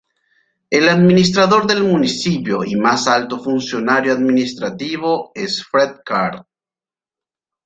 El administrador del municipio y más alto funcionario administrativo es Fred Carr.